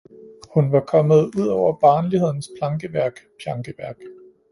Hun var kommet ud over barnlighedens plankeværk, pjankeværk